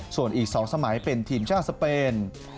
ส่วนอีก๒สมัยเป็นทีมชาติสเปน